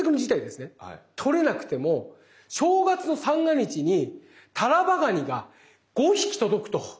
とれなくても正月の三が日にタラバガニが５匹届くと。